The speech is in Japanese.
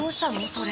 それ。